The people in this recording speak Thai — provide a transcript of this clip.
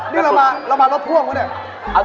นี่เรามารถพ่วงปะเนี่ย